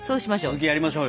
続きやりましょうよ。